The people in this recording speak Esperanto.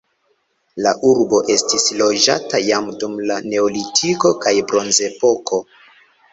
La urbo estis loĝata jam dum la neolitiko kaj bronzepoko.